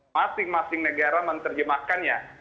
masing masing negara menerjemahkannya